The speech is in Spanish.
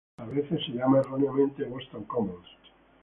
A veces se le llama erróneamente ""Boston Commons"".